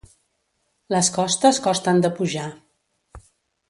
Les costes costen de pujar.